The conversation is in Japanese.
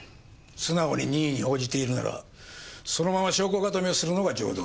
素直に任意に応じているならそのまま証拠固めをするのが常道だ。